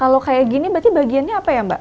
kalau kayak gini berarti bagiannya apa ya mbak